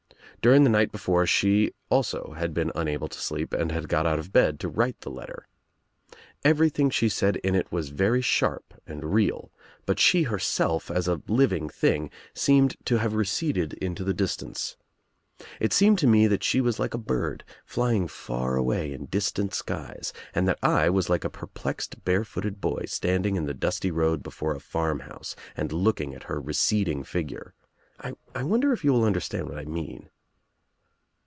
During the night before she also ' had been unable to sleep and had got out of bed to write the letter. Everything she said in It was very sharp and real, but she herself, as a living thing, seemed to have receded into the distance. It seemed to me that she was like a bird, flying far away in dis tant skies, and that I was like a perplexed bare footed boy standing in the dusty road before a farm house and looking at her receding figure. I wonder if you will understand what I mean?